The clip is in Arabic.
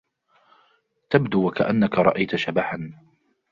تبدو و كأنك رأيت شبحا